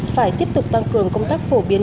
phải tiếp tục tăng cường công tác phổ biến